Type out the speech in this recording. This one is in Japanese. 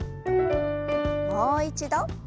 もう一度。